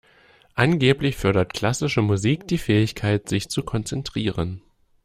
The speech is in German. Angeblich fördert klassische Musik die Fähigkeit, sich zu konzentrieren.